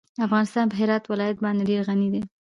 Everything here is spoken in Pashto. افغانستان په هرات ولایت باندې ډېر غني دی.